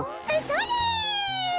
それ！